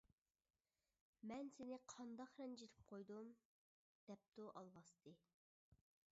-مەن سىنى قانداق رەنجىتىپ قويدۇم؟ دەپتۇ ئالۋاستى.